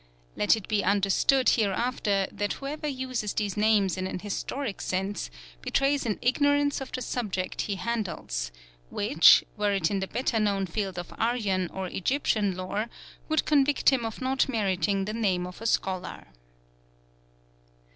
Let it be understood hereafter that whoever uses these names in an historic sense betrays an ignorance of the subject he handles, which, were it in the better known field of Aryan or Egyptian lore, would convict him of not meriting the name of a scholar."